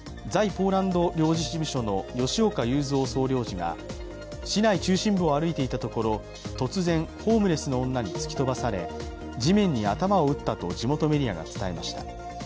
ポートランド領事事務所の吉岡雄三総領事が市内中心部を歩いていたところ突然、ホームレスの女に突き飛ばされ字面に頭を打ったと地元メディアが伝えました。